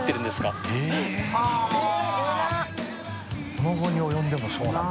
この期に及んでもそうなんだ。